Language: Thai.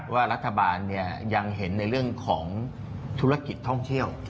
ว่ารัฐบาลยังเห็นในเรื่องของธุรกิจท่องเที่ยว